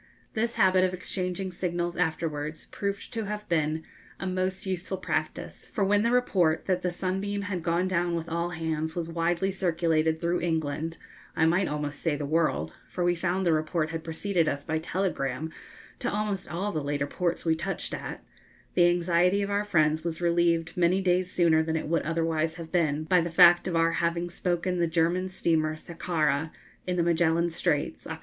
(This habit of exchanging signals afterwards proved to have been a most useful practice, for when the report that the 'Sunbeam' had gone down with all hands was widely circulated through England, I might almost say the world, for we found the report had preceded us by telegram to almost all the later ports we touched at, the anxiety of our friends was relieved many days sooner than it would otherwise have been by the fact of our having spoken the German steamer 'Sakhara,' in the Magellan Straits, Oct.